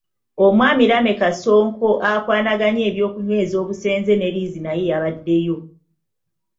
Mwami Lameka Ssonko akwanaganya eby'okunyweza obusenze ne liizi naye yabaddeyo mu lukiiko.